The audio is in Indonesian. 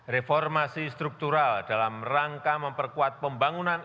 reformasi struktural dalam rangka memperkuat pembangunan